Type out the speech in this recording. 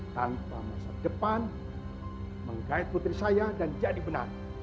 tanpa masa depan menggait putri saya dan jadi benar